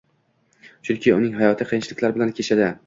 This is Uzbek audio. Chunki uning hayoti qiyinchiliklar bilan kechadi